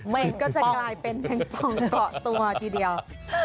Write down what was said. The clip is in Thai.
มันก็จะกลายเป็นแมงปองเกาะตัวทีเดียว